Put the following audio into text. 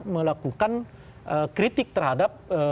melakukan kritik terhadap